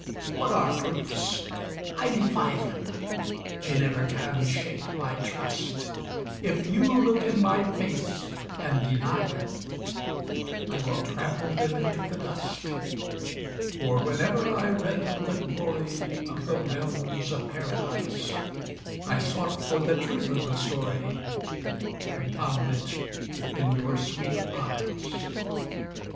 what are proofs I defy them! They never can shake my trust; If you look in my face and deny them I will trample them into the dust. For whenever I read of the glory Of the realms of Paradise, I sought for the truth of the story And found it in your sweet eyes.